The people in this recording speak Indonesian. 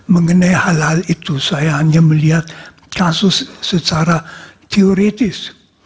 mengenai hal hal itu saya hanya melihat kasus secara teoritis